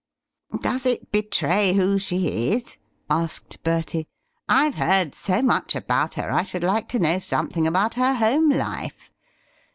"Does it betray who she is?" asked Bertie; "I've heard so much about her, I should like to know something about her home life.